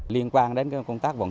liên quan đến công tác vòng